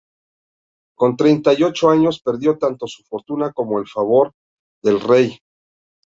Con treinta y ocho años perdió tanto su fortuna como el favor del rey.